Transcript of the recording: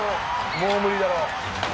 もう無理だろ。